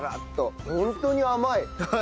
ホントに甘い！